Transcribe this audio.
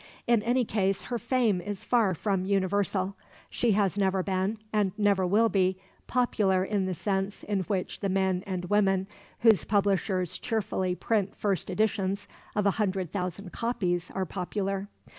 In any case her fame is far from universal. She has never been, and never will be, popular in the sense in which the men and women whose publishers cheerfully print first editions of a hundred thousand copies are popular.